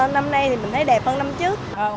năm nay thì mình thấy đẹp hơn năm trước